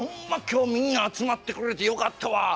今日みんな集まってくれてよかったわ。